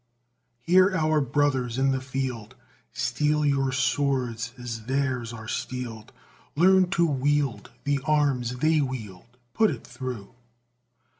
Hear our brothers in the field, Steel your swords as theirs are steeled, Learn to wield the arms they wield, Put it through!